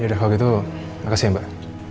yaudah kalau gitu makasih ya mbak